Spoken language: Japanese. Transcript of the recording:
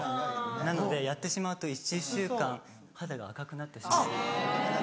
なのでやってしまうと１週間肌が赤くなってしまったり。